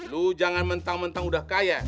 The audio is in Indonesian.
lu jangan mentang mentang udah kaya